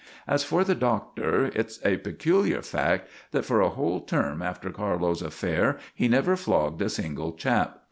As for the Doctor, it's a peculiar fact that for a whole term after Carlo's affair he never flogged a single chap.